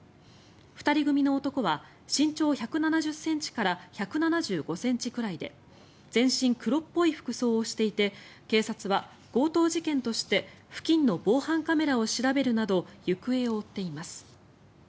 ２人組の男は身長１７０ｃｍから１７５ｃｍくらいで全身黒っぽい服装をしていて警察は強盗事件として付近の防犯カメラを調べるなど行方を追っています。